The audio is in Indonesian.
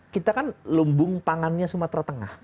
kita kan lumbung pangannya sumatera tengah